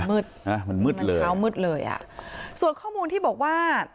มืดอ่ามันมืดเลยเช้ามืดเลยอ่ะส่วนข้อมูลที่บอกว่า